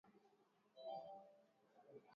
mtalii wa Magharibi kuwa watu wa mashariki